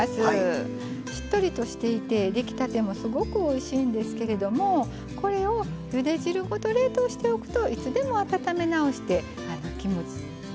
しっとりとしていて出来たてもすごくおいしいんですけれどもこれをゆで汁ごと冷凍しておくといつでも温め直すことができます。